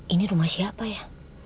ini rumah siapa ya